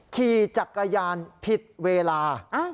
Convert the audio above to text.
ขี่จักรยานผิดเวลา